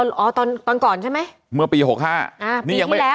ตอนตอนก่อนใช่ไหมเมื่อปีหกห้าอ่าปีที่แล้วนี่ยังไม่